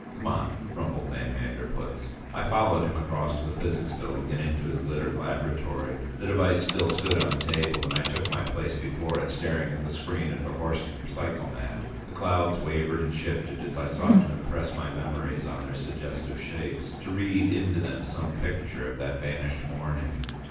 "Come on," rumbled van Manderpootz. I followed him across to the Physics Building and into his littered laboratory. The device still stood on the table and I took my place before it, staring at the screen of the Horsten psychomat. The clouds wavered and shifted as I sought to impress my memories on their suggestive shapes, to read into them some picture of that vanished morning.